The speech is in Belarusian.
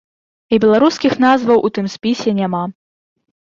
І беларускіх назваў у тым спісе няма.